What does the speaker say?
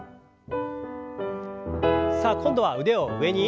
さあ今度は腕を上に。